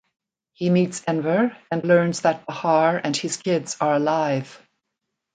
He meets Enver and learns that Bahar and his kids are alive.